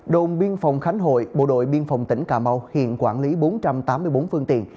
đồn biên phòng khánh hội bộ đội biên phòng tỉnh cà mau hiện quản lý bốn trăm tám mươi bốn phương tiện